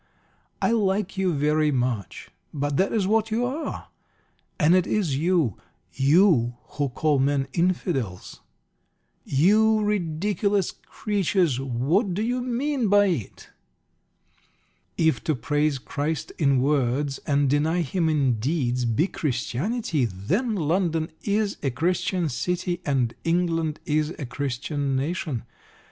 I like you very much, but that is what you are. And it is you you who call men 'Infidels.' You ridiculous creatures, what do you mean by it?" If to praise Christ in words, and deny Him in deeds, be Christianity, then London is a Christian city, and England is a Christian nation.